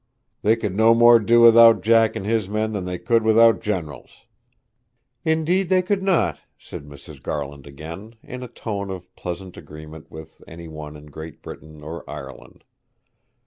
'They could no more do without Jack and his men than they could without generals.' 'Indeed they could not,' said Mrs. Garland again, in a tone of pleasant agreement with any one in Great Britain or Ireland.